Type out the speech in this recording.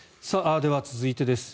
では、続いてです。